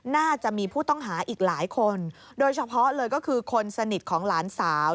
น่าจะมีผู้ต้องหาอีกหลายคนโดยเฉพาะเลยก็คือคนสนิทของหลานสาว